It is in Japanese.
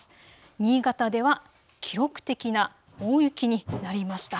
新潟では記録的な大雪になりました。